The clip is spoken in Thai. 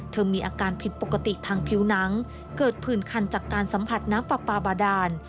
มีอาการผิดปกติทางผิวหนังเกิดผื่นคันจากการสัมผัสน้ำปลาปลาบาดาน